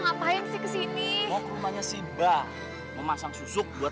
sampai jumpa di video selanjutnya